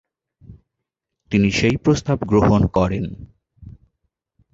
তিনি সেই প্রস্তাব গ্রহণ করেন।